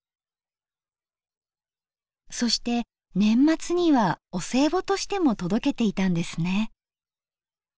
そして年末にはお歳暮としても届けていたんですね。